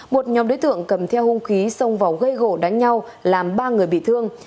một nhóm đối tượng cầm theo hung khí xông vào gây gỗ đánh nhau làm ba người bị thương